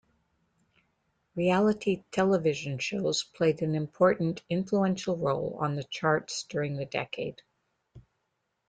Reality television shows played an important, influential role on the charts during the decade.